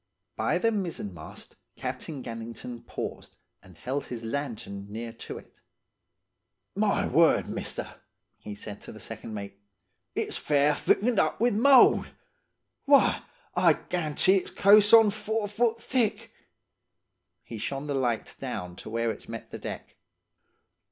By the mizzenmast Captain Gannington paused, and held his lantern near to it. 'My word, mister,' he said to the second mate, 'it's fair thickened up with mould! Why, I'll g'antee it's close on four foot thick.' He shone the light down to where it met the deck.